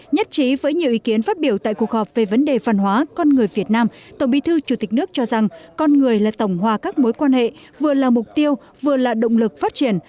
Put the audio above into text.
nhất trí với nhiều ý kiến phát biểu tại cuộc họp về vấn đề văn hóa con người việt nam tổng bí thư chủ tịch nước cho rằng con người là tổng hòa các mối quan hệ vừa là mục tiêu vừa là động lực phát triển